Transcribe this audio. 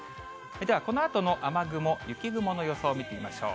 ではこのあとの雨雲、雪雲の予想を見てみましょう。